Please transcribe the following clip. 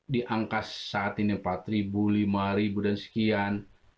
di angka saat ini empat lima ribu dan sekian